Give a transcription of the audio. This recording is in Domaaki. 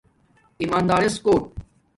ایمادارس کُوٹ